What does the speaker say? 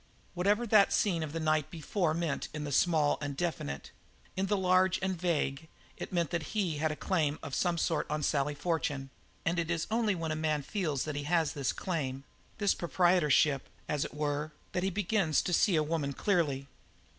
Whatever that scene of the night before meant in the small and definite, in the large and vague it meant that he had a claim of some sort on Sally Fortune and it is only when a man feels that he has this claim, this proprietorship, as it were, that he begins to see a woman clearly.